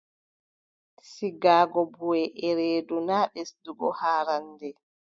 Sigaago buʼe e reedu, naa ɓesdugo haarannde.